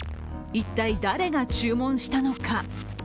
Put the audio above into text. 一体、誰が注文したのか？